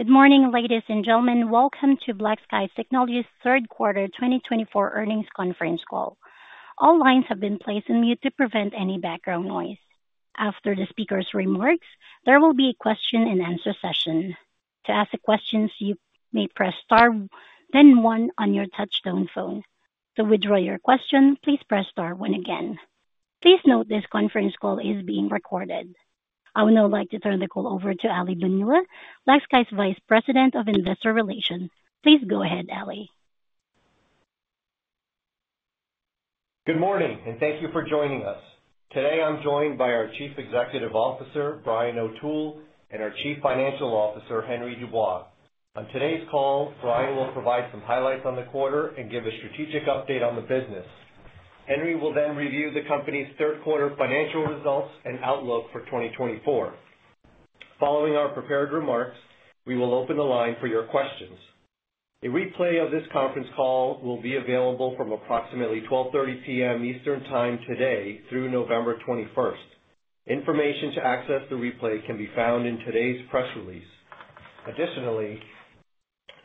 Good morning, ladies and gentlemen. Welcome to BlackSky Technology's third quarter 2024 earnings conference call. All lines have been placed on mute to prevent any background noise. After the speaker's remarks, there will be a question-and-answer session. To ask a question, you may press star, then one on your touch-tone phone. To withdraw your question, please press star one again. Please note this conference call is being recorded. I would now like to turn the call over to Aly Bonilla, BlackSky's Vice President of Investor Relations. Please go ahead, Aly. Good morning, and thank you for joining us. Today, I'm joined by our Chief Executive Officer, Brian O'Toole, and our Chief Financial Officer, Henry Dubois. On today's call, Brian will provide some highlights on the quarter and give a strategic update on the business. Henry will then review the company's third quarter financial results and outlook for 2024. Following our prepared remarks, we will open the line for your questions. A replay of this conference call will be available from approximately 12:30 P.M. Eastern Time today through November 21st. Information to access the replay can be found in today's press release. Additionally,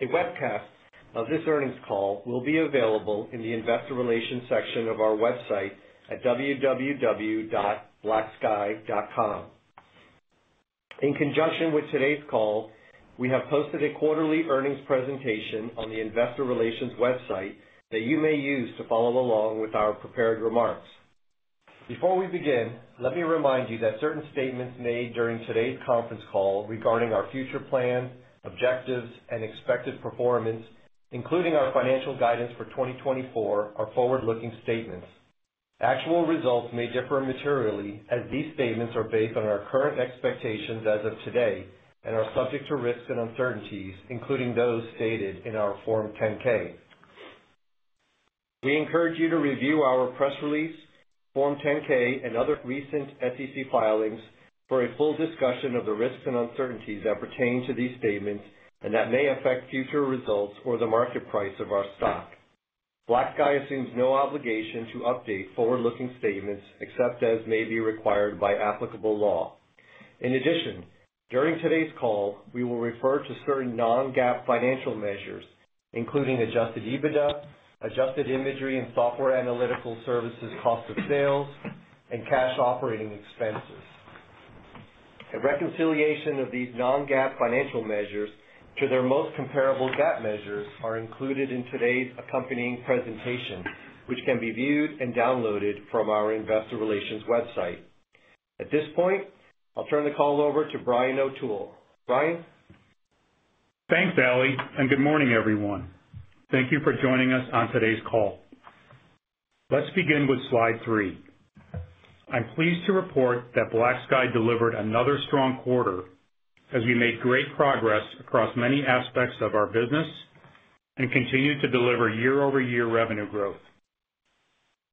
a webcast of this earnings call will be available in the investor relations section of our website at www.blacksky.com. In conjunction with today's call, we have posted a quarterly earnings presentation on the investor relations website that you may use to follow along with our prepared remarks. Before we begin, let me remind you that certain statements made during today's conference call regarding our future plans, objectives, and expected performance, including our financial guidance for 2024, are forward-looking statements. Actual results may differ materially as these statements are based on our current expectations as of today and are subject to risks and uncertainties, including those stated in our Form 10-K. We encourage you to review our press release, Form 10-K, and other recent SEC filings for a full discussion of the risks and uncertainties that pertain to these statements and that may affect future results or the market price of our stock. BlackSky assumes no obligation to update forward-looking statements except as may be required by applicable law. In addition, during today's call, we will refer to certain non-GAAP financial measures, including adjusted EBITDA, adjusted imagery and software analytical services cost of sales, and cash operating expenses. A reconciliation of these non-GAAP financial measures to their most comparable GAAP measures is included in today's accompanying presentation, which can be viewed and downloaded from our investor relations website. At this point, I'll turn the call over to Brian O'Toole. Brian? Thanks, Aly, and good morning, everyone. Thank you for joining us on today's call. Let's begin with slide three. I'm pleased to report that BlackSky delivered another strong quarter as we made great progress across many aspects of our business and continue to deliver year-over-year revenue growth.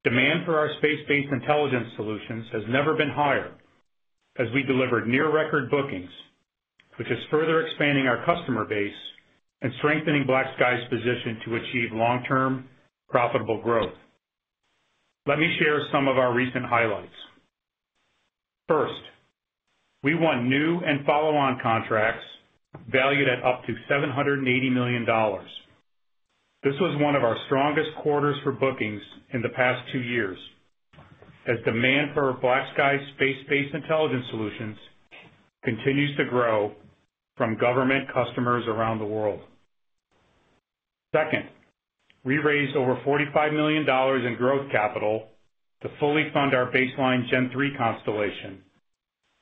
Demand for our space-based intelligence solutions has never been higher as we delivered near-record bookings, which is further expanding our customer base and strengthening BlackSky's position to achieve long-term profitable growth. Let me share some of our recent highlights. First, we won new and follow-on contracts valued at up to $780 million. This was one of our strongest quarters for bookings in the past two years as demand for BlackSky's space-based intelligence solutions continues to grow from government customers around the world. Second, we raised over $45 million in growth capital to fully fund our baseline Gen-3 constellation,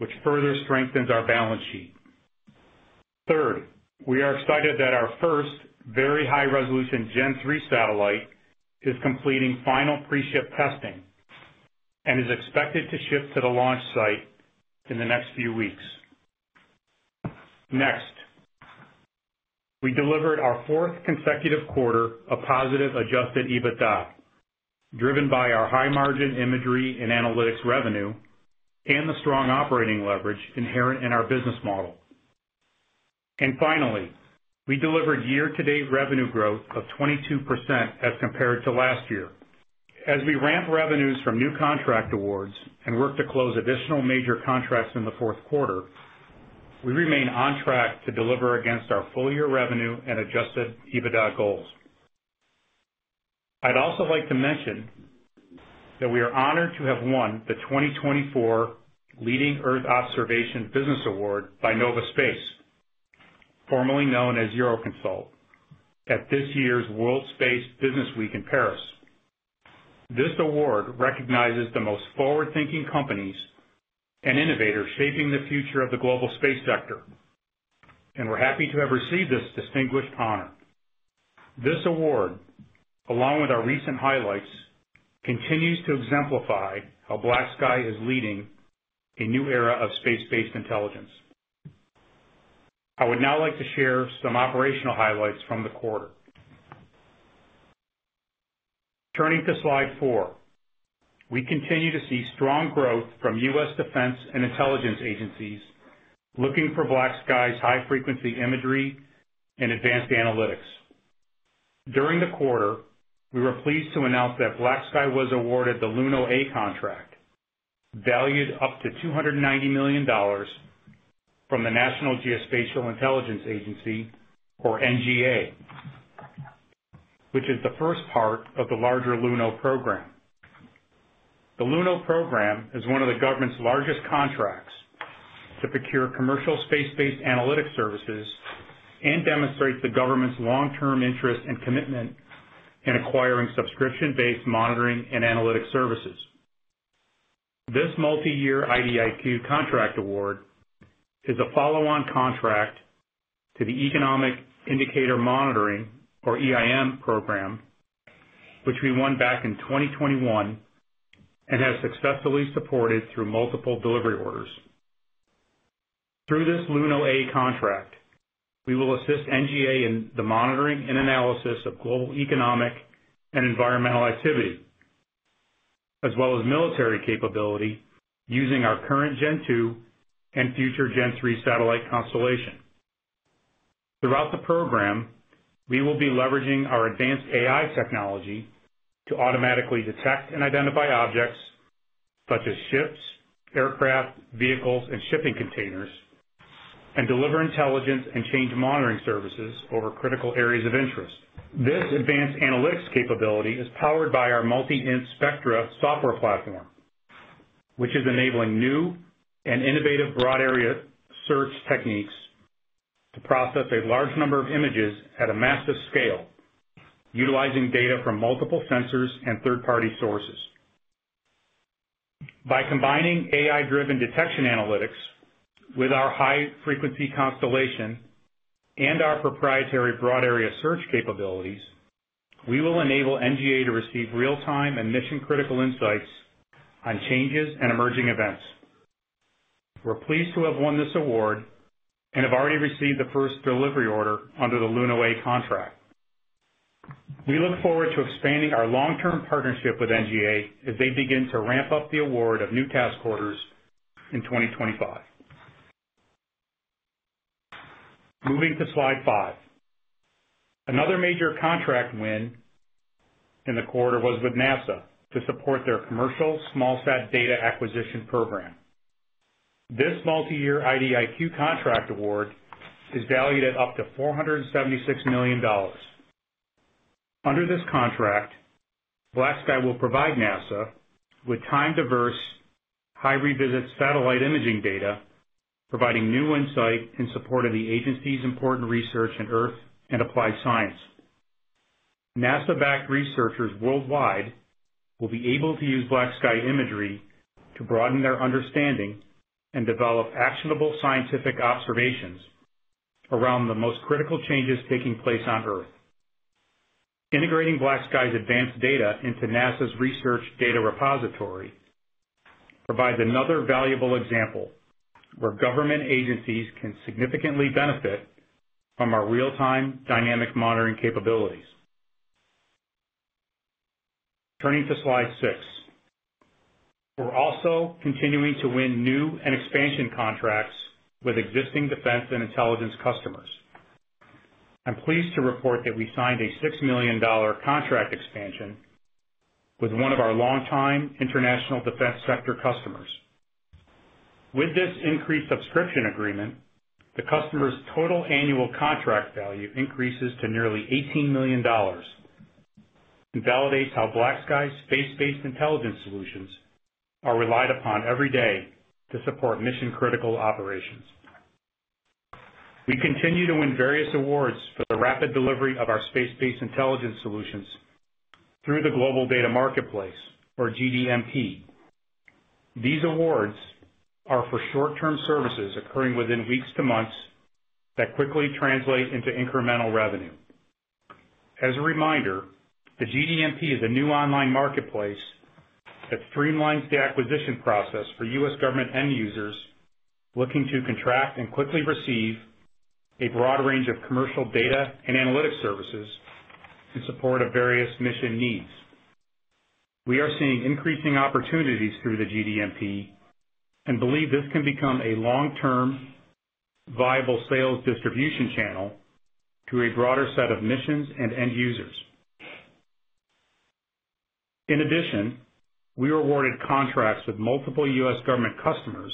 which further strengthens our balance sheet. Third, we are excited that our first very high-resolution Gen-3 satellite is completing final pre-ship testing and is expected to ship to the launch site in the next few weeks. Next, we delivered our fourth consecutive quarter of positive adjusted EBITDA, driven by our high-margin imagery and analytics revenue and the strong operating leverage inherent in our business model. And finally, we delivered year-to-date revenue growth of 22% as compared to last year. As we ramp revenues from new contract awards and work to close additional major contracts in the fourth quarter, we remain on track to deliver against our full-year revenue and adjusted EBITDA goals. I'd also like to mention that we are honored to have won the 2024 Leading Earth Observation Business Award by Novaspace, formerly known as Euroconsult, at this year's World Space Business Week in Paris. This award recognizes the most forward-thinking companies and innovators shaping the future of the global space sector, and we're happy to have received this distinguished honor. This award, along with our recent highlights, continues to exemplify how BlackSky is leading a new era of space-based intelligence. I would now like to share some operational highlights from the quarter. Turning to slide four, we continue to see strong growth from U.S. defense and intelligence agencies looking for BlackSky's high-frequency imagery and advanced analytics. During the quarter, we were pleased to announce that BlackSky was awarded the Luno A contract valued up to $290 million from the National Geospatial-Intelligence Agency, or NGA, which is the first part of the larger Luno program. The Luno program is one of the government's largest contracts to procure commercial space-based analytic services and demonstrates the government's long-term interest and commitment in acquiring subscription-based monitoring and analytic services. This multi-year IDIQ contract award is a follow-on contract to the Economic Indicator Monitoring, or EIM, program, which we won back in 2021 and has successfully supported through multiple delivery orders. Through this Luno A contract, we will assist NGA in the monitoring and analysis of global economic and environmental activity, as well as military capability using our current Gen-2 and future Gen-3 satellite constellation. Throughout the program, we will be leveraging our advanced AI technology to automatically detect and identify objects such as ships, aircraft, vehicles, and shipping containers, and deliver intelligence and change monitoring services over critical areas of interest. This advanced analytics capability is powered by our Multi-INT Spectra software platform, which is enabling new and innovative broad-area search techniques to process a large number of images at a massive scale, utilizing data from multiple sensors and third-party sources. By combining AI-driven detection analytics with our high-frequency constellation and our proprietary broad-area search capabilities, we will enable NGA to receive real-time and mission-critical insights on changes and emerging events. We're pleased to have won this award and have already received the first delivery order under the Luno A contract. We look forward to expanding our long-term partnership with NGA as they begin to ramp up the award of new task orders in 2025. Moving to slide five, another major contract win in the quarter was with NASA to support their Commercial Smallsat Data Acquisition Program. This multi-year IDIQ contract award is valued at up to $476 million. Under this contract, BlackSky will provide NASA with time-diverse, high-revisit satellite imaging data, providing new insight in support of the agency's important research in Earth and applied science. NASA-backed researchers worldwide will be able to use BlackSky imagery to broaden their understanding and develop actionable scientific observations around the most critical changes taking place on Earth. Integrating BlackSky's advanced data into NASA's research data repository provides another valuable example where government agencies can significantly benefit from our real-time dynamic monitoring capabilities. Turning to slide six, we're also continuing to win new and expansion contracts with existing defense and intelligence customers. I'm pleased to report that we signed a $6 million contract expansion with one of our long-time international defense sector customers. With this increased subscription agreement, the customer's total annual contract value increases to nearly $18 million and validates how BlackSky's space-based intelligence solutions are relied upon every day to support mission-critical operations. We continue to win various awards for the rapid delivery of our space-based intelligence solutions through the Global Data Marketplace, or GDMP. These awards are for short-term services occurring within weeks to months that quickly translate into incremental revenue. As a reminder, the GDMP is a new online marketplace that streamlines the acquisition process for U.S. government end users looking to contract and quickly receive a broad range of commercial data and analytic services in support of various mission needs. We are seeing increasing opportunities through the GDMP and believe this can become a long-term viable sales distribution channel to a broader set of missions and end users. In addition, we were awarded contracts with multiple U.S. government customers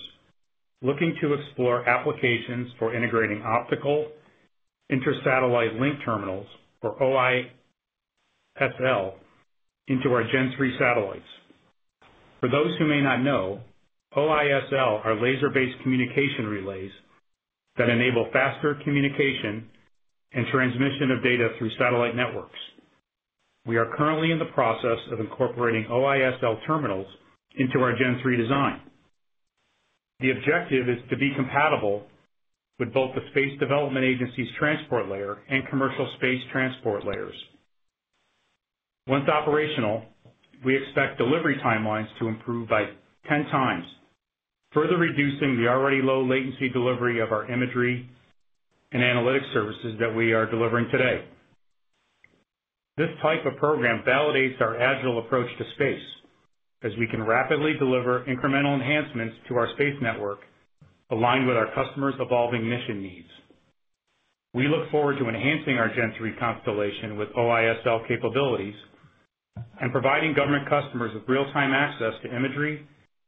looking to explore applications for integrating optical inter-satellite link terminals, or OISL, into our Gen-3 satellites. For those who may not know, OISL are laser-based communication relays that enable faster communication and transmission of data through satellite networks. We are currently in the process of incorporating OISL terminals into our Gen-3 design. The objective is to be compatible with both the Space Development Agency's Transport Layer and commercial space transport layers. Once operational, we expect delivery timelines to improve by 10x, further reducing the already low-latency delivery of our imagery and analytic services that we are delivering today. This type of program validates our agile approach to space as we can rapidly deliver incremental enhancements to our space network aligned with our customers' evolving mission needs. We look forward to enhancing our Gen-3 constellation with OISL capabilities and providing government customers with real-time access to imagery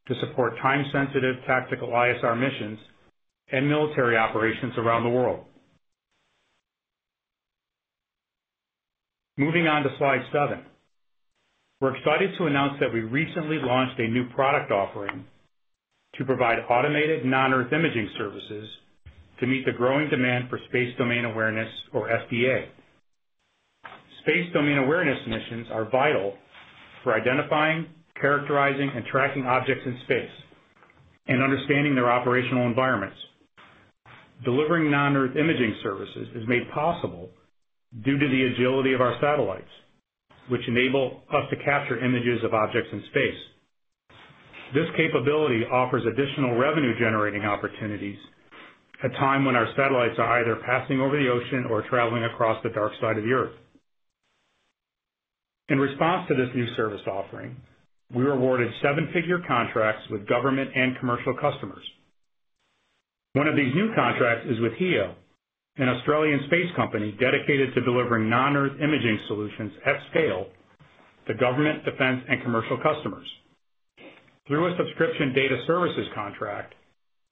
to support time-sensitive tactical ISR missions and military operations around the world. Moving on to slide seven, we're excited to announce that we recently launched a new product offering to provide automated Non-Earth Imaging services to meet the growing demand for space domain awareness, or SDA. Space domain awareness missions are vital for identifying, characterizing, and tracking objects in space and understanding their operational environments. Delivering Non-Earth Imaging services is made possible due to the agility of our satellites, which enable us to capture images of objects in space. This capability offers additional revenue-generating opportunities at a time when our satellites are either passing over the ocean or traveling across the dark side of the Earth. In response to this new service offering, we were awarded seven-figure contracts with government and commercial customers. One of these new contracts is with HEO, an Australian space company dedicated to delivering Non-Earth Imaging solutions at scale to government, defense, and commercial customers. Through a subscription data services contract,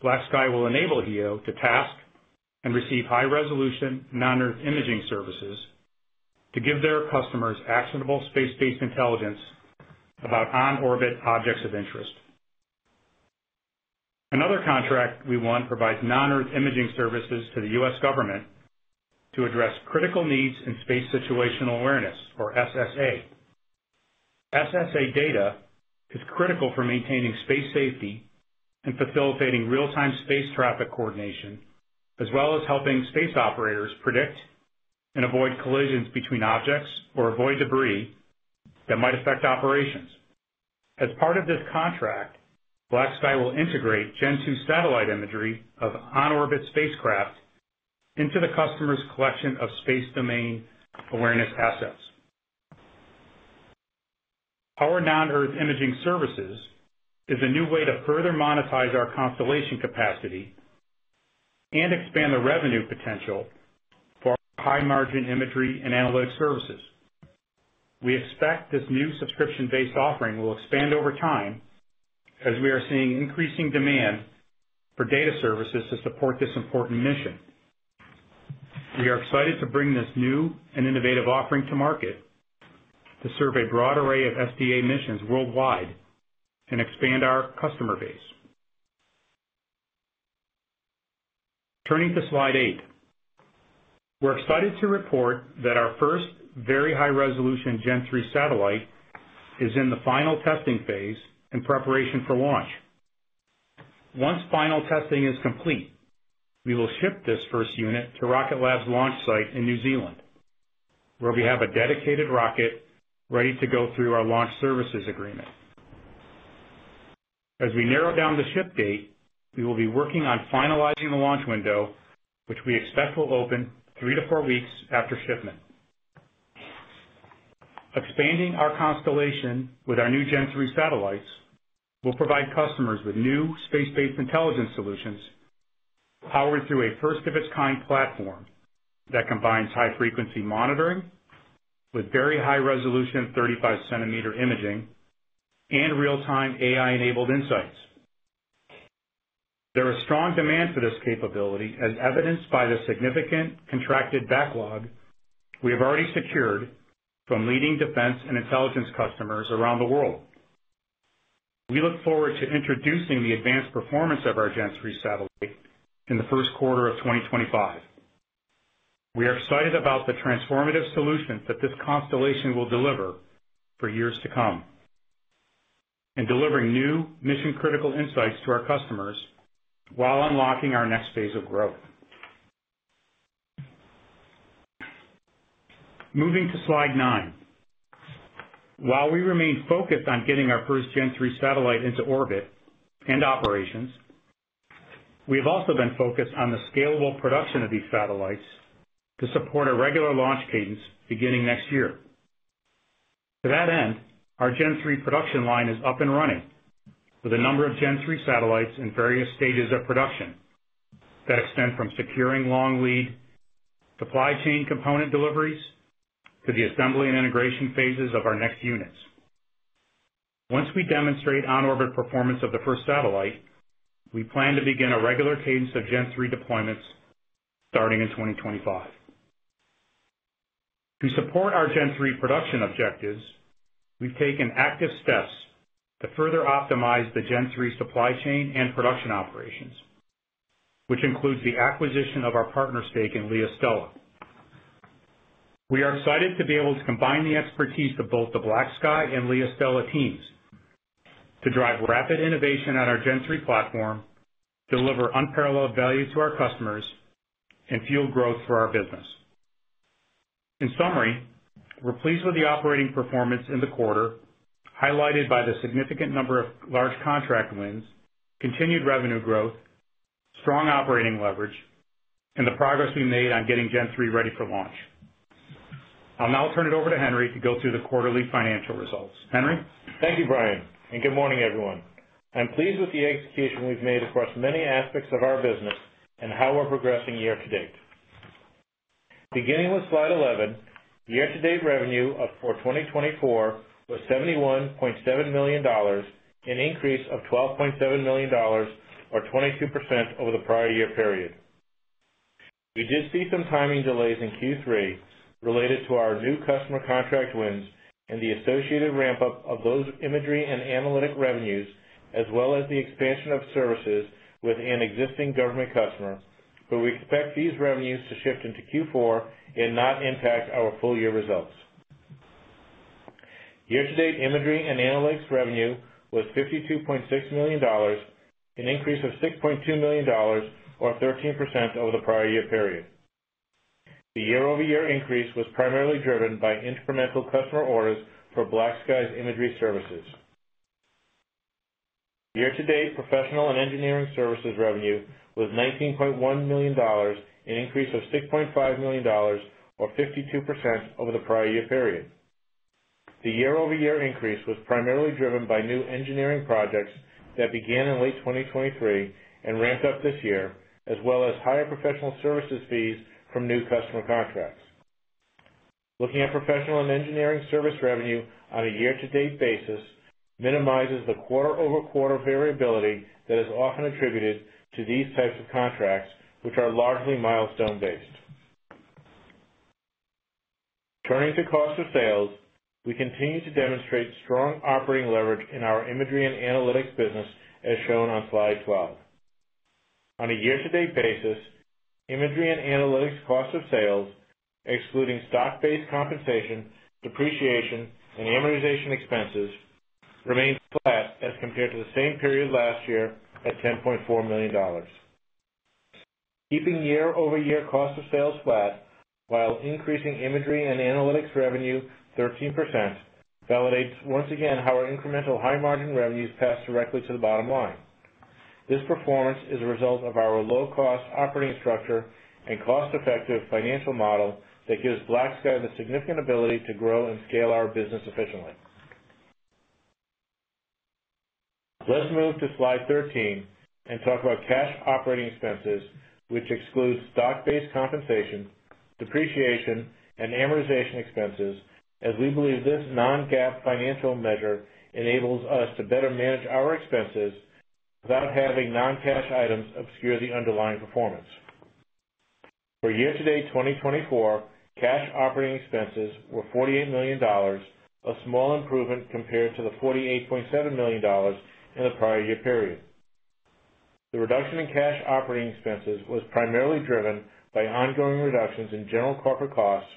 BlackSky will enable HEO to task and receive high-resolution Non-Earth Imaging services to give their customers actionable space-based intelligence about on-orbit objects of interest. Another contract we won provides Non-Earth Imaging services to the U.S. government to address critical needs in space situational awareness, or SSA. SSA data is critical for maintaining space safety and facilitating real-time space traffic coordination, as well as helping space operators predict and avoid collisions between objects or avoid debris that might affect operations. As part of this contract, BlackSky will integrate Gen-2 satellite imagery of on-orbit spacecraft into the customer's collection of space domain awareness assets. Our Non-Earth Imaging services is a new way to further monetize our constellation capacity and expand the revenue potential for high-margin imagery and analytic services. We expect this new subscription-based offering will expand over time as we are seeing increasing demand for data services to support this important mission. We are excited to bring this new and innovative offering to market to serve a broad array of SDA missions worldwide and expand our customer base. Turning to slide eight, we're excited to report that our first very high-resolution Gen-3 satellite is in the final testing phase in preparation for launch. Once final testing is complete, we will ship this first unit to Rocket Lab's launch site in New Zealand, where we have a dedicated rocket ready to go through our launch services agreement. As we narrow down the ship date, we will be working on finalizing the launch window, which we expect will open three to four weeks after shipment. Expanding our constellation with our new Gen-3 satellites will provide customers with new space-based intelligence solutions powered through a first-of-its-kind platform that combines high-frequency monitoring with very high-resolution 35-cm imaging and real-time AI-enabled insights. There is strong demand for this capability, as evidenced by the significant contracted backlog we have already secured from leading defense and intelligence customers around the world. We look forward to introducing the advanced performance of our Gen-3 satellite in the first quarter of 2025. We are excited about the transformative solutions that this constellation will deliver for years to come in delivering new mission-critical insights to our customers while unlocking our next phase of growth. Moving to slide nine, while we remain focused on getting our first Gen-3 satellite into orbit and operations, we have also been focused on the scalable production of these satellites to support a regular launch cadence beginning next year. To that end, our Gen-3 production line is up and running with a number of Gen-3 satellites in various stages of production that extend from securing long lead supply chain component deliveries to the assembly and integration phases of our next units. Once we demonstrate on-orbit performance of the first satellite, we plan to begin a regular cadence of Gen-3 deployments starting in 2025. To support our Gen-3 production objectives, we've taken active steps to further optimize the Gen-3 supply chain and production operations, which includes the acquisition of our partner stake in LeoStella. We are excited to be able to combine the expertise of both the BlackSky and LeoStella teams to drive rapid innovation on our Gen-3 platform, deliver unparalleled value to our customers, and fuel growth for our business. In summary, we're pleased with the operating performance in the quarter, highlighted by the significant number of large contract wins, continued revenue growth, strong operating leverage, and the progress we made on getting Gen-3 ready for launch. I'll now turn it over to Henry to go through the quarterly financial results. Henry? Thank you, Brian, and good morning, everyone. I'm pleased with the execution we've made across many aspects of our business and how we're progressing year to date. Beginning with slide 11, year-to-date revenue for 2024 was $71.7 million and an increase of $12.7 million, or 22% over the prior year period. We did see some timing delays in Q3 related to our new customer contract wins and the associated ramp-up of those imagery and analytic revenues, as well as the expansion of services with an existing government customer, but we expect these revenues to shift into Q4 and not impact our full-year results. Year-to-date imagery and analytics revenue was $52.6 million, an increase of $6.2 million, or 13% over the prior year period. The year-over-year increase was primarily driven by incremental customer orders for BlackSky's imagery services. Year-to-date professional and engineering services revenue was $19.1 million, an increase of $6.5 million, or 52% over the prior year period. The year-over-year increase was primarily driven by new engineering projects that began in late 2023 and ramped up this year, as well as higher professional services fees from new customer contracts. Looking at professional and engineering service revenue on a year-to-date basis minimizes the quarter-over-quarter variability that is often attributed to these types of contracts, which are largely milestone-based. Turning to cost of sales, we continue to demonstrate strong operating leverage in our imagery and analytics business, as shown on slide 12. On a year-to-date basis, imagery and analytics cost of sales, excluding stock-based compensation, depreciation, and amortization expenses, remained flat as compared to the same period last year at $10.4 million. Keeping year-over-year cost of sales flat while increasing imagery and analytics revenue 13% validates once again how our incremental high-margin revenues pass directly to the bottom line. This performance is a result of our low-cost operating structure and cost-effective financial model that gives BlackSky the significant ability to grow and scale our business efficiently. Let's move to slide 13 and talk about cash operating expenses, which excludes stock-based compensation, depreciation, and amortization expenses, as we believe this non-GAAP financial measure enables us to better manage our expenses without having non-cash items obscure the underlying performance. For year-to-date 2024, cash operating expenses were $48 million, a small improvement compared to the $48.7 million in the prior year period. The reduction in cash operating expenses was primarily driven by ongoing reductions in general corporate costs,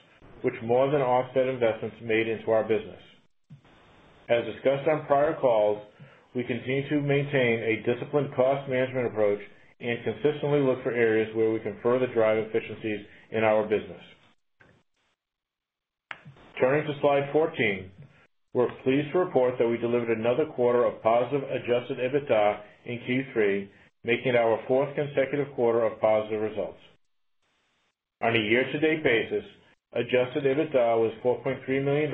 which more than offset investments made into our business. As discussed on prior calls, we continue to maintain a disciplined cost management approach and consistently look for areas where we can further drive efficiencies in our business. Turning to slide 14, we're pleased to report that we delivered another quarter of positive adjusted EBITDA in Q3, making it our fourth consecutive quarter of positive results. On a year-to-date basis, adjusted EBITDA was $4.3 million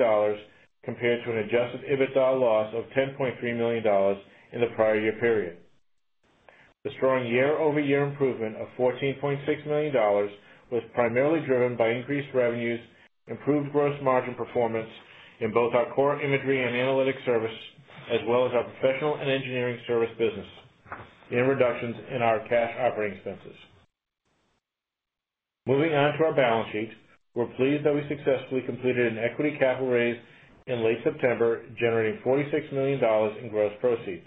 compared to an adjusted EBITDA loss of $10.3 million in the prior year period. The strong year-over-year improvement of $14.6 million was primarily driven by increased revenues, improved gross margin performance in both our core imagery and analytics service, as well as our professional and engineering service business, and reductions in our cash operating expenses. Moving on to our balance sheet, we're pleased that we successfully completed an equity capital raise in late September, generating $46 million in gross proceeds.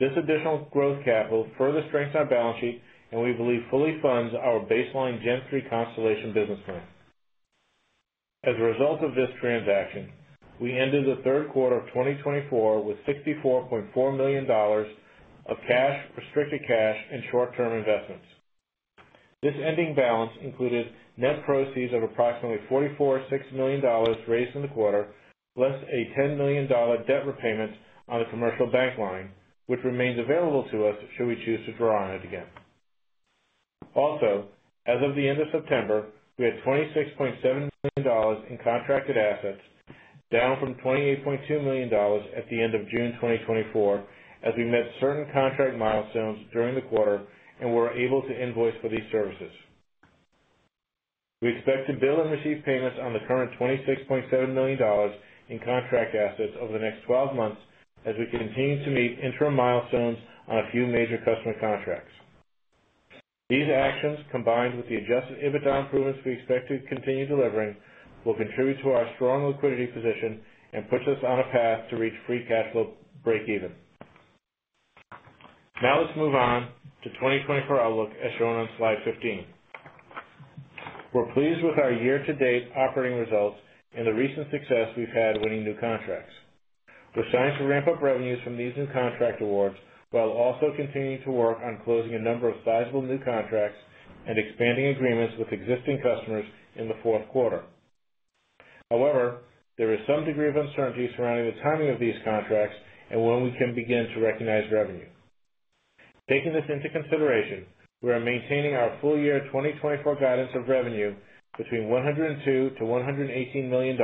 This additional gross capital further strengthens our balance sheet, and we believe fully funds our baseline Gen-3 constellation business plan. As a result of this transaction, we ended the third quarter of 2024 with $64.4 million of cash, restricted cash, and short-term investments. This ending balance included net proceeds of approximately $44.6 million raised in the quarter, plus a $10 million debt repayment on the commercial bank line, which remains available to us should we choose to draw on it again. Also, as of the end of September, we had $26.7 million in contracted assets, down from $28.2 million at the end of June 2024, as we met certain contract milestones during the quarter and were able to invoice for these services. We expect to bill and receive payments on the current $26.7 million in contract assets over the next 12 months, as we continue to meet interim milestones on a few major customer contracts. These actions, combined with the Adjusted EBITDA improvements we expect to continue delivering, will contribute to our strong liquidity position and put us on a path to reach free cash flow break-even. Now let's move on to 2024 outlook, as shown on slide 15. We're pleased with our year-to-date operating results and the recent success we've had winning new contracts. We're signed to ramp up revenues from these new contract awards while also continuing to work on closing a number of sizable new contracts and expanding agreements with existing customers in the fourth quarter. However, there is some degree of uncertainty surrounding the timing of these contracts and when we can begin to recognize revenue. Taking this into consideration, we are maintaining our full-year 2024 guidance of revenue between $102 to $118 million,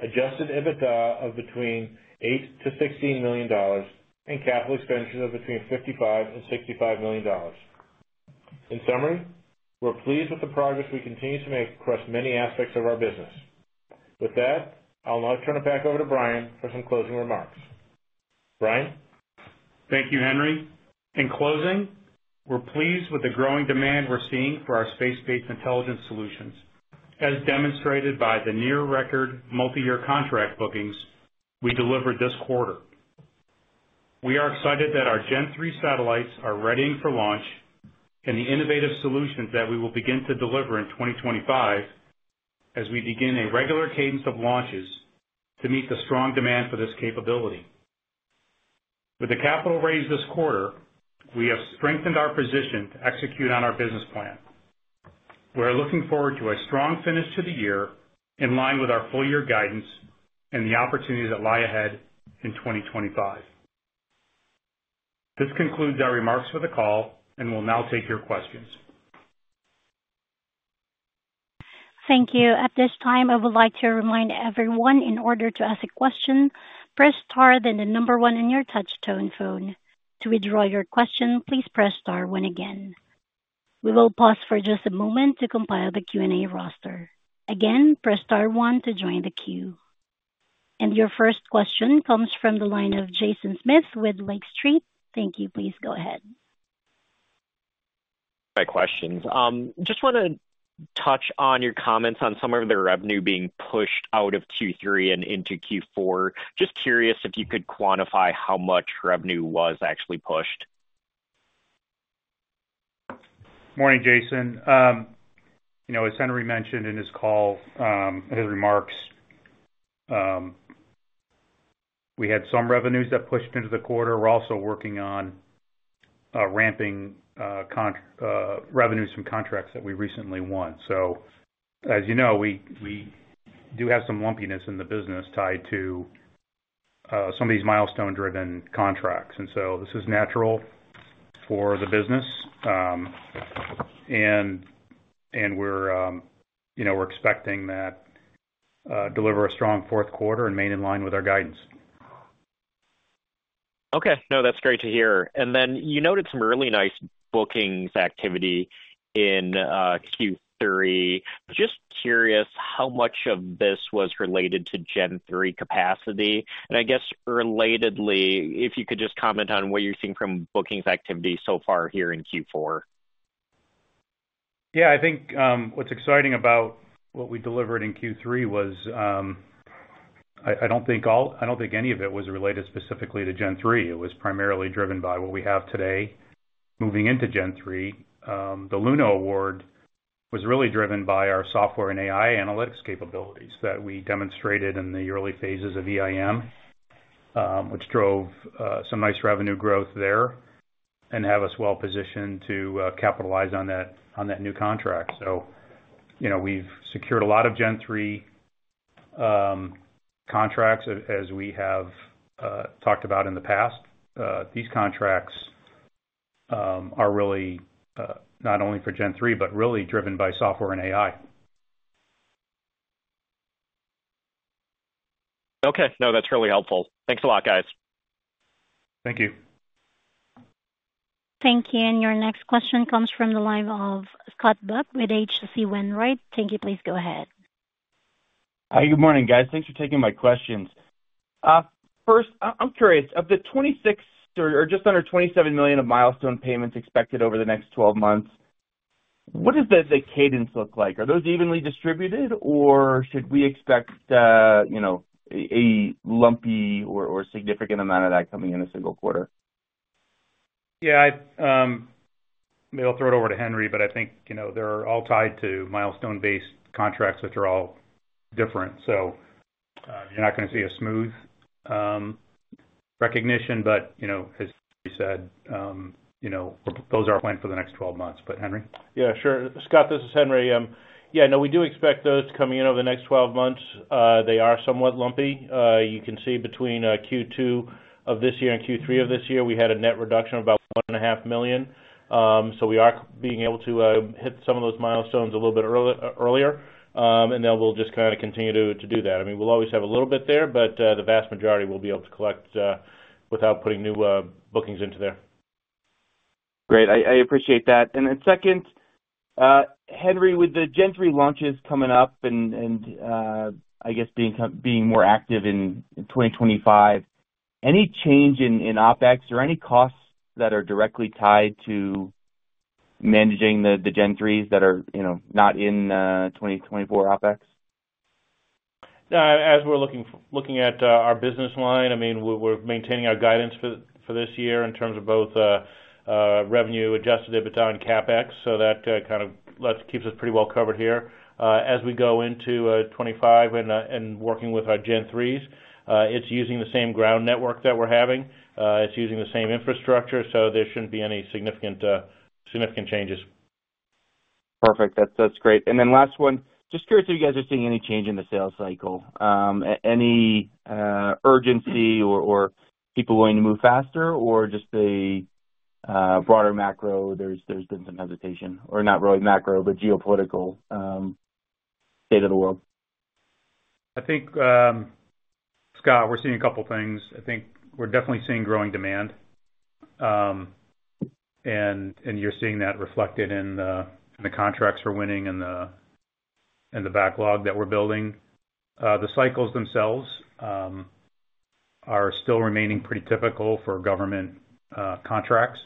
adjusted EBITDA of between $8 to $16 million, and capital expenditure of between $55 and $65 million. In summary, we're pleased with the progress we continue to make across many aspects of our business. With that, I'll now turn it back over to Brian for some closing remarks. Brian? Thank you, Henry. In closing, we're pleased with the growing demand we're seeing for our space-based intelligence solutions, as demonstrated by the near-record multi-year contract bookings we delivered this quarter. We are excited that our Gen-3 satellites are readying for launch and the innovative solutions that we will begin to deliver in 2025 as we begin a regular cadence of launches to meet the strong demand for this capability. With the capital raised this quarter, we have strengthened our position to execute on our business plan. We are looking forward to a strong finish to the year in line with our full-year guidance and the opportunities that lie ahead in 2025. This concludes our remarks for the call, and we'll now take your questions. Thank you. At this time, I would like to remind everyone, in order to ask a question, press star then the number one on your touch-tone phone. To withdraw your question, please press star one again. We will pause for just a moment to compile the Q&A roster. Again, press star one to join the queue, and your first question comes from the line of Jaeson Schmidt with Lake Street. Thank you. Please go ahead. My questions. Just want to touch on your comments on some of the revenue being pushed out of Q3 and into Q4. Just curious if you could quantify how much revenue was actually pushed. Morning, Jason. As Henry mentioned in his call, his remarks, we had some revenues that pushed into the quarter. We're also working on ramping revenues from contracts that we recently won. So, as you know, we do have some lumpiness in the business tied to some of these milestone-driven contracts. And so this is natural for the business, and we're expecting that to deliver a strong fourth quarter and mainly in line with our guidance. Okay. No, that's great to hear. And then you noted some really nice bookings activity in Q3. Just curious how much of this was related to Gen-3 capacity. And I guess, relatedly, if you could just comment on what you're seeing from bookings activity so far here in Q4. Yeah. I think what's exciting about what we delivered in Q3 was I don't think any of it was related specifically to Gen-3. It was primarily driven by what we have today moving into Gen-3. The Luno Award was really driven by our software and AI analytics capabilities that we demonstrated in the early phases of EIM, which drove some nice revenue growth there and have us well-positioned to capitalize on that new contract. So we've secured a lot of Gen-3 contracts, as we have talked about in the past. These contracts are really not only for Gen-3, but really driven by software and AI. Okay. No, that's really helpful. Thanks a lot, guys. Thank you. Thank you. Your next question comes from the line of Scott Buck with H.C. Wainwright. Thank you. Please go ahead. Hi. Good morning, guys. Thanks for taking my questions. First, I'm curious. Of the $26 million or just under $27 million of milestone payments expected over the next 12 months, what does the cadence look like? Are those evenly distributed, or should we expect a lumpy or significant amount of that coming in a single quarter? Yeah. Maybe I'll throw it over to Henry, but I think they're all tied to milestone-based contracts, which are all different. So you're not going to see a smooth recognition, but as Henry said, those are our plan for the next 12 months. But Henry? Yeah. Sure. Scott, this is Henry. Yeah. No, we do expect those to come in over the next 12 months. They are somewhat lumpy. You can see between Q2 of this year and Q3 of this year, we had a net reduction of about $1.5 million. So we are being able to hit some of those milestones a little bit earlier, and then we'll just kind of continue to do that. I mean, we'll always have a little bit there, but the vast majority we'll be able to collect without putting new bookings into there. Great. I appreciate that. And then second, Henry, with the Gen-3 launches coming up and, I guess, being more active in 2025, any change in OpEx or any costs that are directly tied to managing the Gen-3s that are not in 2024 OpEx? As we're looking at our business line, I mean, we're maintaining our guidance for this year in terms of both revenue, adjusted EBITDA, and CapEx. So that kind of keeps us pretty well covered here. As we go into 2025 and working with our Gen-3s, it's using the same ground network that we're having. It's using the same infrastructure, so there shouldn't be any significant changes. Perfect. That's great, and then last one, just curious if you guys are seeing any change in the sales cycle. Any urgency or people wanting to move faster, or just the broader macro? There's been some hesitation, or not really macro, but geopolitical state of the world. I think, Scott, we're seeing a couple of things. I think we're definitely seeing growing demand, and you're seeing that reflected in the contracts we're winning and the backlog that we're building. The cycles themselves are still remaining pretty typical for government contracts,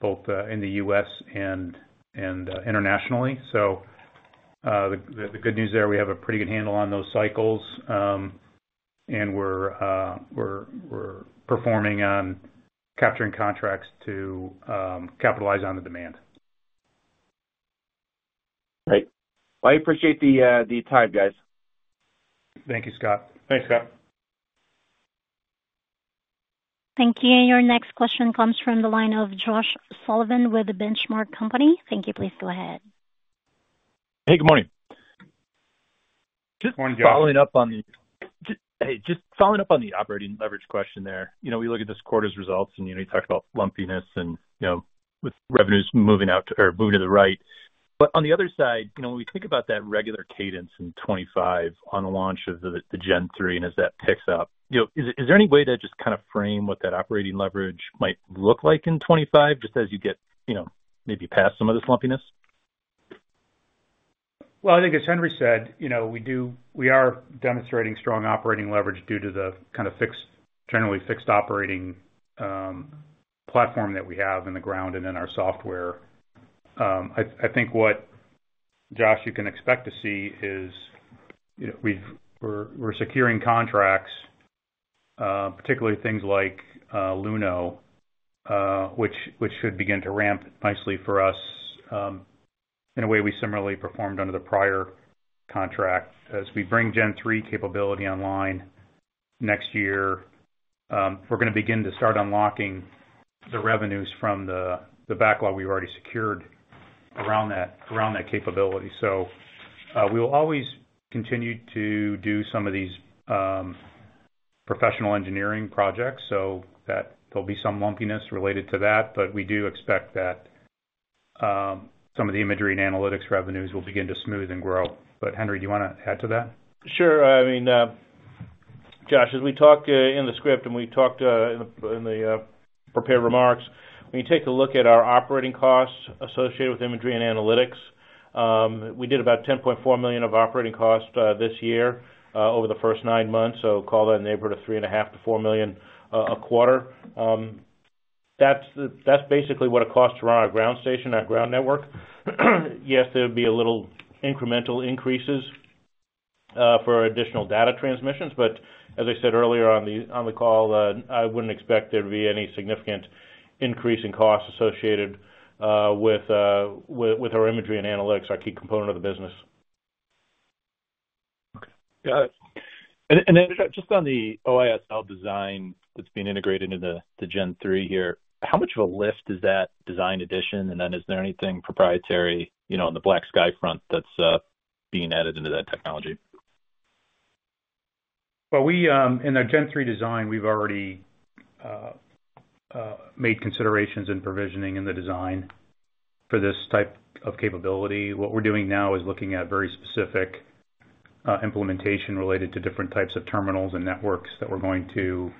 both in the U.S. and internationally. So the good news there, we have a pretty good handle on those cycles, and we're performing on capturing contracts to capitalize on the demand. Great. Well, I appreciate the time, guys. Thank you, Scott. Thanks, Scott. Thank you. And your next question comes from the line of Josh Sullivan with The Benchmark Company. Thank you. Please go ahead. Hey, good morning. Just following up on the operating leverage question there. We look at this quarter's results, and you talked about lumpiness and with revenues moving out or moving to the right. But on the other side, when we think about that regular cadence in 2025 on the launch of the Gen-3 and as that picks up, is there any way to just kind of frame what that operating leverage might look like in 2025, just as you get maybe past some of this lumpiness? I think, as Henry said, we are demonstrating strong operating leverage due to the kind of generally fixed operating platform that we have in the ground and in our software. I think what, Josh, you can expect to see is we're securing contracts, particularly things like Luno, which should begin to ramp nicely for us in a way we similarly performed under the prior contract. As we bring Gen-3 capability online next year, we're going to begin to start unlocking the revenues from the backlog we've already secured around that capability. So we will always continue to do some of these professional engineering projects, so there'll be some lumpiness related to that. But we do expect that some of the imagery and analytics revenues will begin to smooth and grow. But Henry, do you want to add to that? Sure. I mean, Josh, as we talked in the script and we talked in the prepared remarks, when you take a look at our operating costs associated with imagery and analytics, we did about $10.4 million of operating costs this year over the first nine months. So call that a neighborhood of $3.5 million-$4 million a quarter. That's basically what it costs around our ground station, our ground network. Yes, there would be a little incremental increases for additional data transmissions. But as I said earlier on the call, I wouldn't expect there to be any significant increase in costs associated with our imagery and analytics, our key component of the business. Okay. Got it. And then just on the OISL design that's being integrated into the Gen-3 here, how much of a lift is that design addition? And then, is there anything proprietary on the BlackSky front that's being added into that technology? Well, in our Gen-3 design, we've already made considerations in provisioning and the design for this type of capability. What we're doing now is looking at very specific implementation related to different types of terminals and networks that we're going to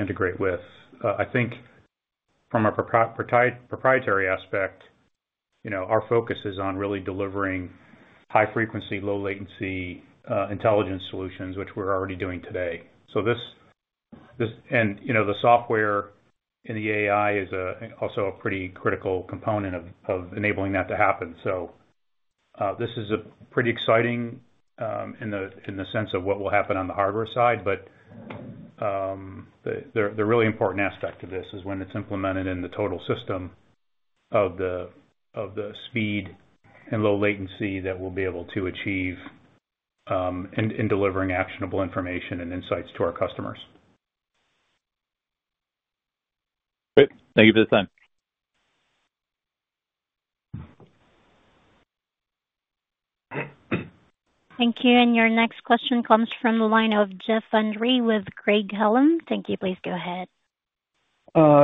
integrate with. I think from a proprietary aspect, our focus is on really delivering high-frequency, low-latency intelligence solutions, which we're already doing today. And the software and the AI is also a pretty critical component of enabling that to happen. So this is pretty exciting in the sense of what will happen on the hardware side. But the really important aspect of this is when it's implemented in the total system of the speed and low latency that we'll be able to achieve in delivering actionable information and insights to our customers. Great. Thank you for the time. Thank you. And your next question comes from the line of Jeff Van Rhee with Craig-Hallum. Thank you. Please go ahead.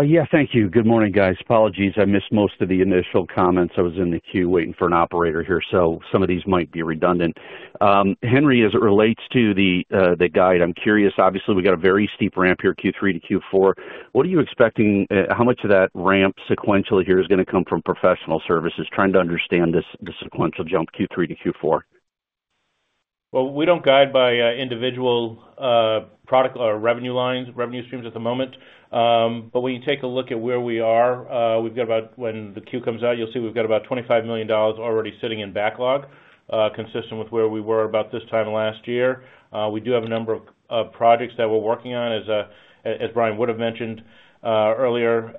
Yeah. Thank you. Good morning, guys. Apologies. I missed most of the initial comments. I was in the queue waiting for an operator here, so some of these might be redundant. Henry, as it relates to the guide, I'm curious. Obviously, we got a very steep ramp here, Q3 to Q4. What are you expecting? How much of that ramp sequentially here is going to come from professional services trying to understand the sequential jump Q3 to Q4? We don't guide by individual revenue streams at the moment, but when you take a look at where we are, when the Q comes out, you'll see we've got about $25 million already sitting in backlog, consistent with where we were about this time last year. We do have a number of projects that we're working on, as Brian would have mentioned earlier,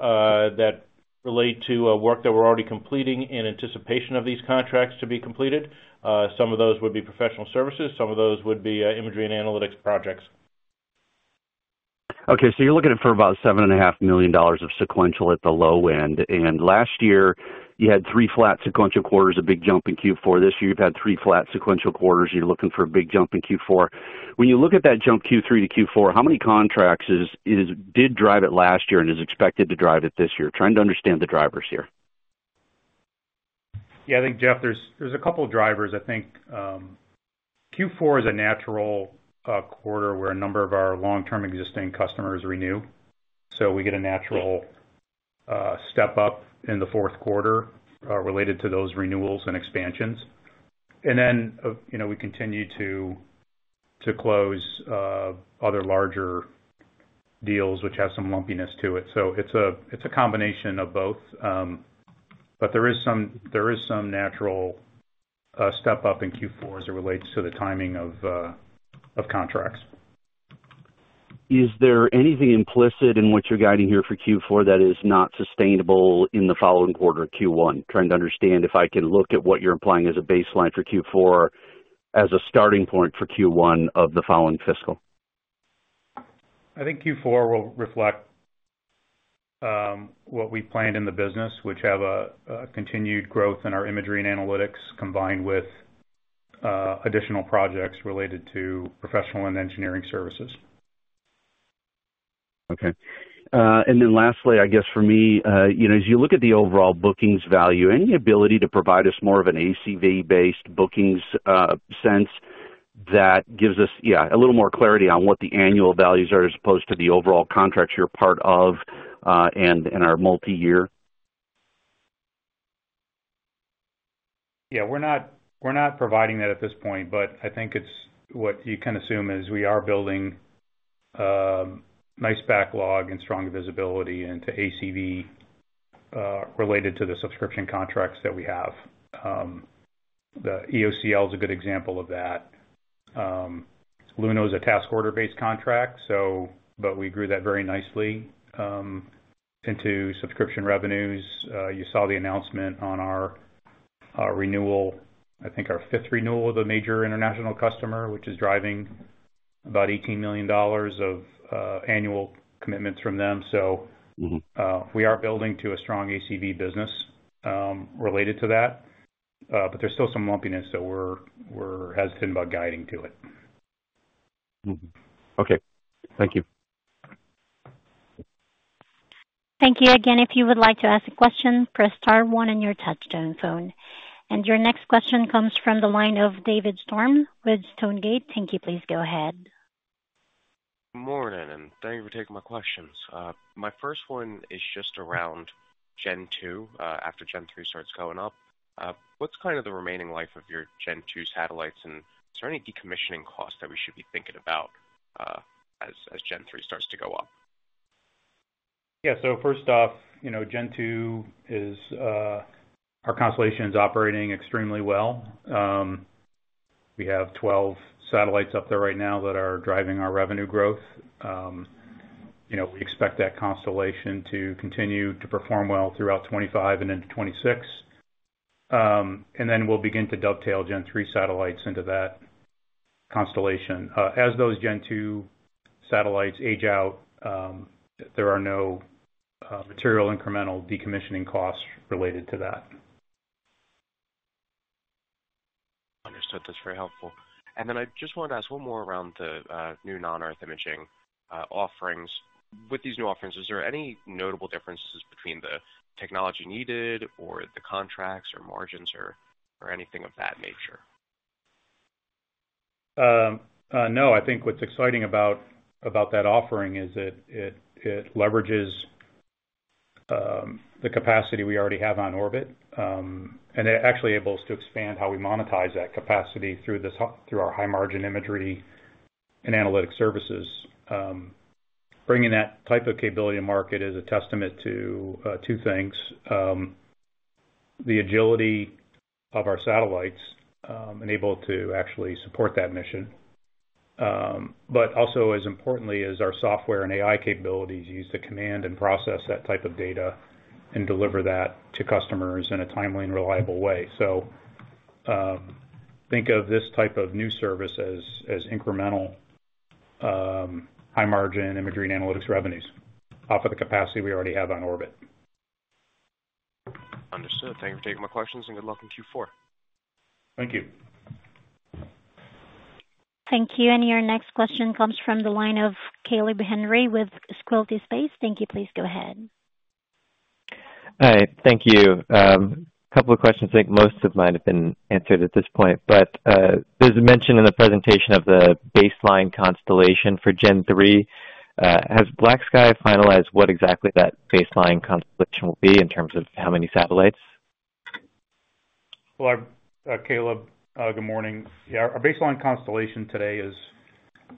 that relate to work that we're already completing in anticipation of these contracts to be completed. Some of those would be professional services. Some of those would be imagery and analytics projects. Okay, so you're looking at for about $7.5 million of sequential at the low end, and last year, you had three flat sequential quarters, a big jump in Q4. This year, you've had three flat sequential quarters. You're looking for a big jump in Q4. When you look at that jump Q3 to Q4, how many contracts did drive it last year and is expected to drive it this year? Trying to understand the drivers here. Yeah. I think, Jeff, there's a couple of drivers. I think Q4 is a natural quarter where a number of our long-term existing customers renew. So we get a natural step up in the fourth quarter related to those renewals and expansions. And then we continue to close other larger deals, which have some lumpiness to it. So it's a combination of both. But there is some natural step up in Q4 as it relates to the timing of contracts. Is there anything implicit in what you're guiding here for Q4 that is not sustainable in the following quarter of Q1? Trying to understand if I can look at what you're implying as a baseline for Q4, as a starting point for Q1 of the following fiscal. I think Q4 will reflect what we planned in the business, which have a continued growth in our imagery and analytics combined with additional projects related to professional and engineering services. Okay. And then lastly, I guess for me, as you look at the overall bookings value, any ability to provide us more of an ACV-based bookings sense that gives us, yeah, a little more clarity on what the annual values are as opposed to the overall contracts you're part of and our multi-year? Yeah. We're not providing that at this point, but I think it's what you can assume is we are building nice backlog and strong visibility into ACV related to the subscription contracts that we have. The EOCL is a good example of that. Luno is a task order-based contract, but we grew that very nicely into subscription revenues. You saw the announcement on our renewal, I think our fifth renewal with a major international customer, which is driving about $18 million of annual commitments from them. So we are building to a strong ACV business related to that, but there's still some lumpiness, so we're hesitant about guiding to it. Okay. Thank you. Thank you. Again, if you would like to ask a question, press star one on your touch-tone phone. And your next question comes from the line of David Storms with Stonegate. Thank you. Please go ahead. Good morning, and thank you for taking my questions. My first one is just around Gen-2 after Gen-3 starts going up. What's kind of the remaining life of your Gen-2 satellites, and is there any decommissioning costs that we should be thinking about as Gen-3 starts to go up? Yeah. So first off, Gen-2, our constellation is operating extremely well. We have 12 satellites up there right now that are driving our revenue growth. We expect that constellation to continue to perform well throughout 2025 and into 2026. And then we'll begin to dovetail Gen-3 satellites into that constellation. As those Gen-2 satellites age out, there are no material incremental decommissioning costs related to that. Understood. That's very helpful. And then I just wanted to ask one more around the new Non-Earth Imaging offerings. With these new offerings, is there any notable differences between the technology needed or the contracts or margins or anything of that nature? No. I think what's exciting about that offering is it leverages the capacity we already have on orbit, and it actually enables us to expand how we monetize that capacity through our high-margin imagery and analytic services. Bringing that type of capability to market is a testament to two things: the agility of our satellites enabled to actually support that mission, but also, as importantly as our software and AI capabilities use to command and process that type of data and deliver that to customers in a timely and reliable way. So think of this type of new service as incremental high-margin imagery and analytics revenues off of the capacity we already have on orbit. Understood. Thank you for taking my questions, and good luck in Q4. Thank you. Thank you. And your next question comes from the line of Caleb Henry with Quilty Space. Thank you. Please go ahead. Hi. Thank you. A couple of questions. I think most of mine have been answered at this point. But there's a mention in the presentation of the baseline constellation for Gen-3. Has BlackSky finalized what exactly that baseline constellation will be in terms of how many satellites? Well, Caleb, good morning. Yeah. Our baseline constellation today is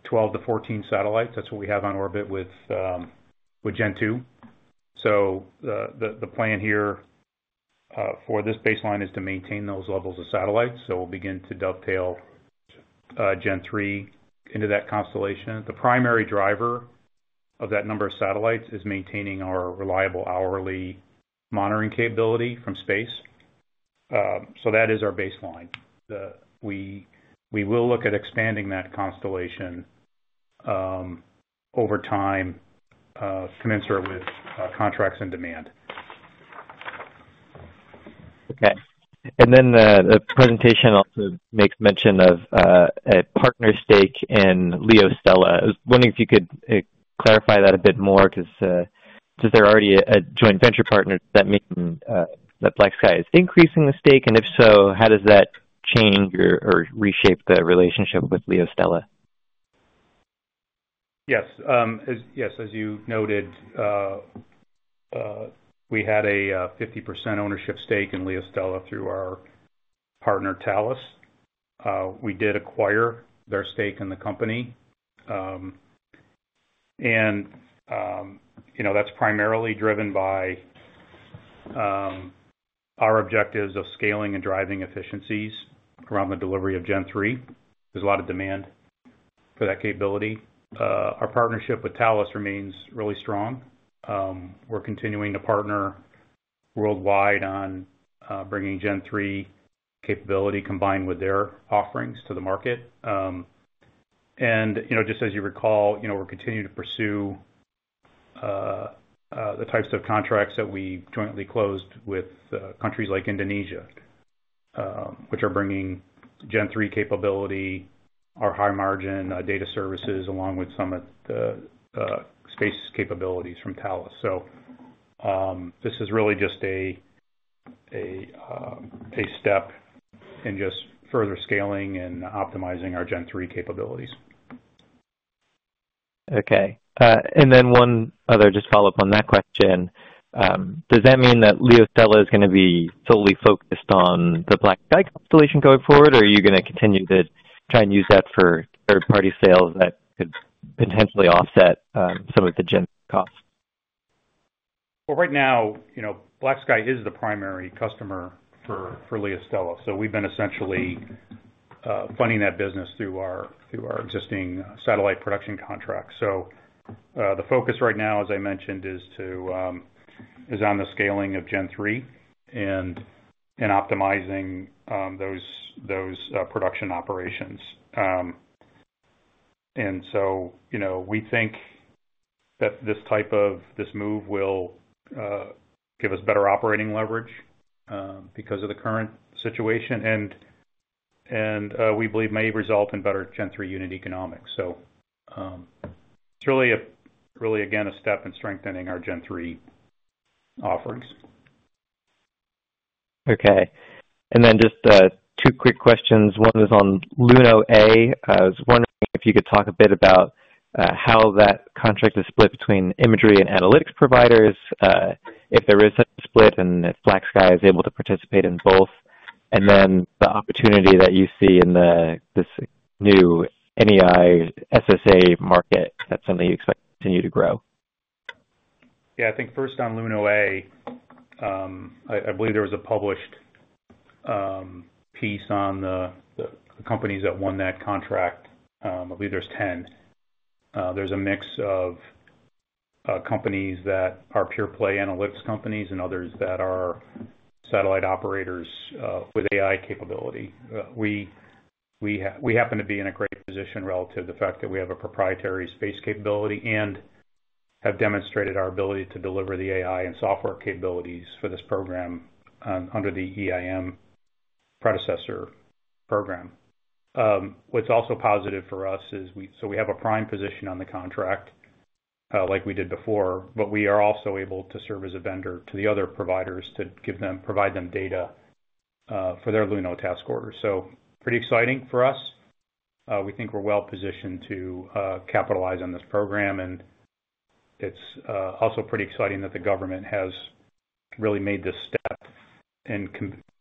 12 to 14 satellites. That's what we have on orbit with Gen-2. So the plan here for this baseline is to maintain those levels of satellites. So we'll begin to dovetail Gen-3 into that constellation. The primary driver of that number of satellites is maintaining our reliable hourly monitoring capability from space. So that is our baseline. We will look at expanding that constellation over time commensurate with contracts and demand. Okay. And then the presentation also makes mention of a partner stake in LeoStella. I was wondering if you could clarify that a bit more because there's already a joint venture partner that BlackSky is increasing the stake. And if so, how does that change or reshape the relationship with LeoStella? Yes. Yes. As you noted, we had a 50% ownership stake in LeoStella through our partner, Thales. We did acquire their stake in the company. And that's primarily driven by our objectives of scaling and driving efficiencies around the delivery of Gen-3. There's a lot of demand for that capability. Our partnership with Thales remains really strong. We're continuing to partner worldwide on bringing Gen-3 capability combined with their offerings to the market. Just as you recall, we're continuing to pursue the types of contracts that we jointly closed with countries like Indonesia, which are bringing Gen-3 capability, our high-margin data services, along with some of the space capabilities from Thales. So this is really just a step in just further scaling and optimizing our Gen-3 capabilities. Okay. And then one other just follow-up on that question. Does that mean that LeoStella is going to be solely focused on the BlackSky constellation going forward, or are you going to continue to try and use that for third-party sales that could potentially offset some of the Gen-3 costs? Well, right now, BlackSky is the primary customer for LeoStella. So we've been essentially funding that business through our existing satellite production contracts. So the focus right now, as I mentioned, is on the scaling of Gen-3 and optimizing those production operations. And so we think that this type of move will give us better operating leverage because of the current situation, and we believe may result in better Gen-3 unit economics. So it's really, again, a step in strengthening our Gen-3 offerings. Okay. And then just two quick questions. One was on Luno A. I was wondering if you could talk a bit about how that contract is split between imagery and analytics providers, if there is such a split, and if BlackSky is able to participate in both, and then the opportunity that you see in this new NEI, SSA market that's something you expect to continue to grow. Yeah. I think first on Luno A, I believe there was a published piece on the companies that won that contract. I believe there's 10. There's a mix of companies that are pure-play analytics companies and others that are satellite operators with AI capability. We happen to be in a great position relative to the fact that we have a proprietary space capability and have demonstrated our ability to deliver the AI and software capabilities for this program under the EIM predecessor program. What's also positive for us is so we have a prime position on the contract like we did before, but we are also able to serve as a vendor to the other providers to provide them data for their Luno task orders. So pretty exciting for us. We think we're well-positioned to capitalize on this program. And it's also pretty exciting that the government has really made this step in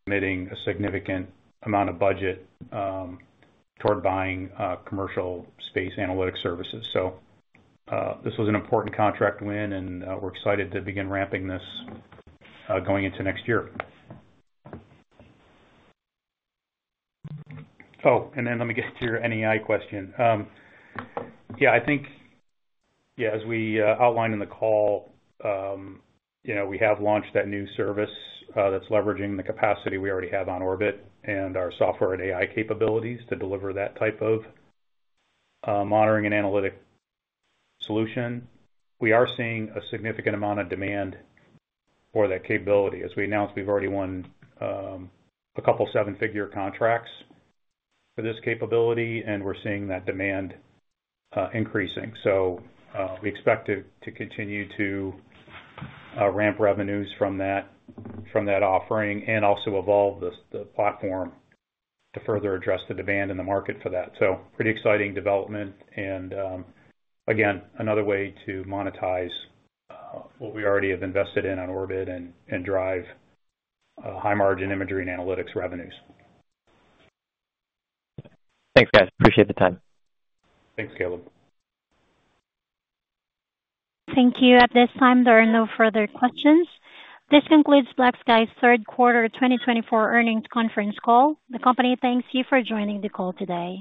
committing a significant amount of budget toward buying commercial space analytic services. So this was an important contract win, and we're excited to begin ramping this going into next year. Oh, and then let me get to your NEI question. Yeah. I think, yeah, as we outlined in the call, we have launched that new service that's leveraging the capacity we already have on orbit and our software and AI capabilities to deliver that type of monitoring and analytic solution. We are seeing a significant amount of demand for that capability. As we announced, we've already won a couple of seven-figure contracts for this capability, and we're seeing that demand increasing. So we expect to continue to ramp revenues from that offering and also evolve the platform to further address the demand in the market for that. So pretty exciting development. And again, another way to monetize what we already have invested in on orbit and drive high-margin imagery and analytics revenues. Thanks, guys. Appreciate the time. Thanks, Caleb. Thank you. At this time, there are no further questions. This concludes BlackSky's third quarter 2024 earnings conference call. The company thanks you for joining the call today.